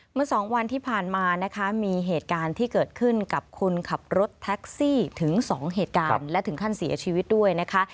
เมื่อสองวันที่ผ่านมานะคะมีเหตุการณ์ที่เกิดขึ้นกับคนขับรถแท็กซี่ถึง๒เหตุการณ์และถึงขั้นเสียชีวิตด้วยนะคะ